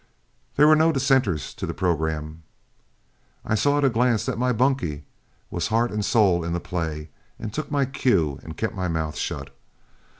There were no dissenters to the programme. I saw at a glance that my bunkie was heart and soul in the play, and took my cue and kept my mouth shut.